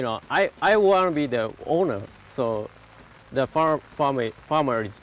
คุณต้องเป็นผู้งาน